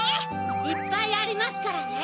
いっぱいありますからね。